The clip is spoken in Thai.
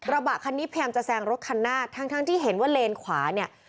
บะคันนี้พยายามจะแซงรถคันหน้าทั้งทั้งที่เห็นว่าเลนขวาเนี่ย